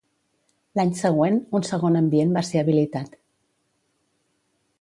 L'any següent, un segon ambient va ser habilitat.